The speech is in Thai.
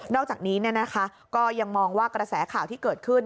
อกจากนี้ก็ยังมองว่ากระแสข่าวที่เกิดขึ้น